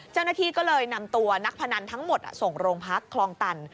เจ้าหน้าที่ก็เลยนำตัวนักพนันทั้งหมดส่งโรงพักคลองตัน